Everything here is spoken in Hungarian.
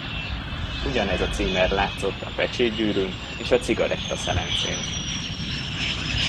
Ugyanez a címer látszott a pecsétgyűrűn és a cigarettaszelencén.